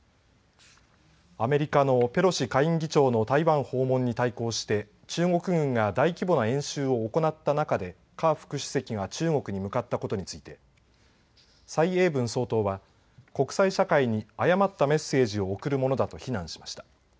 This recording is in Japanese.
アメリカのペロシ下院議長の台湾訪問に対抗して中国軍が大規模な演習を行った中で夏副主席が中国に向かったことについて蔡英文総統は国際社会に誤ったメッセージを送るものだと非難しました。